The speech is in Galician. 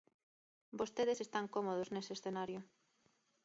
Vostedes están cómodos nese escenario.